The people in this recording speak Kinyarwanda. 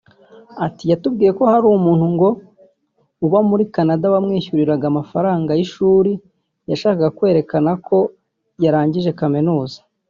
Ati “Yatubwiye ko hari umuntu ngo uba muri Canada wamwishyuriraga amafaranga y’ishuri yashakaga kwereka ko yarangije kaminuza